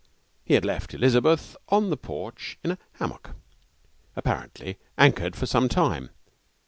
He had left Elizabeth on the porch in a hammock, apparently anchored for some time.